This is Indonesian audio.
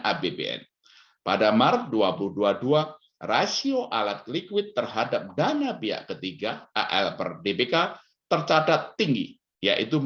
abbn pada maret dua ribu dua puluh dua rasio alat likuid terhadap dana pihak ketiga al per dbk tercatat tinggi yaitu